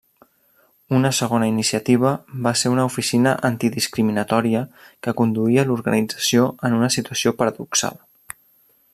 Una segona iniciativa va ser una oficina antidiscriminatòria que conduïa l'organització en una situació paradoxal.